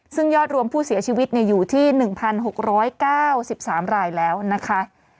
ซึ่งยอดรวมผู้เสียชีวิตอยู่ที่๑๖๙๓รายแล้วนะคะ